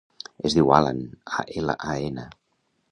Es diu Alan: a, ela, a, ena.